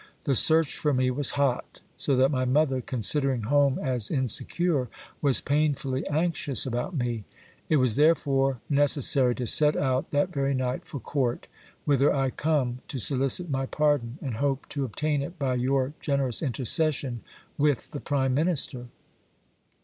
The search for me was hot, so that my mother, considering home as insecure, was painfully anxious about me. It was therefore necessary to set out that very night for court, whither I come to solicit my pardon, and hope to obtain it by your generous intercession with the prime minister.